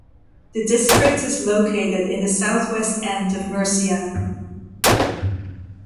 The district is located in the southwest end of Murcia.